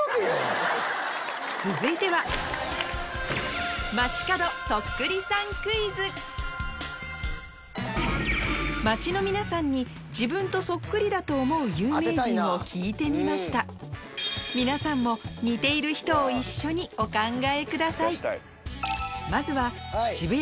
続いては街の皆さんに自分とそっくりだと思う有名人を聞いてみました似ている人を何か分かるな。